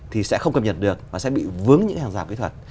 thì sẽ không cập nhật được và sẽ bị vướng những hàng rào kỹ thuật